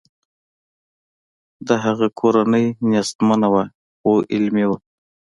د هغه کورنۍ نیستمنه وه خو علمي وه